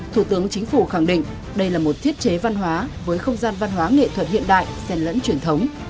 thủ tướng chính phủ khẳng định đây là một thiết chế văn hóa với không gian văn hóa nghệ thuật hiện đại xen lẫn truyền thống